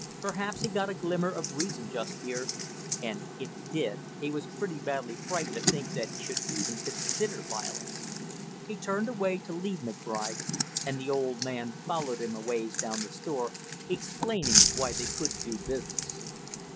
Perhaps he got a glimmer of reason just here, and if he did he was pretty badly frightened to think that he should even consider violence; he turned away to leave McBride and the old man followed him a ways down the store, explaining why they couldn't do business."